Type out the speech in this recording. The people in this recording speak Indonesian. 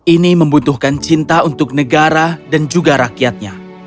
ini membutuhkan cinta untuk negara dan juga rakyatnya